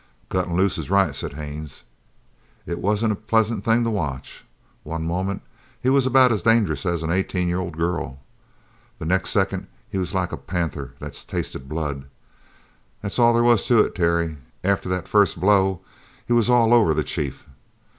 "Cutting loose is right," said Haines. "It wasn't a pleasant thing to watch. One moment he was about as dangerous as an eighteen year old girl. The next second he was like a panther that's tasted blood. That's all there was to it, Terry. After the first blow, he was all over the chief.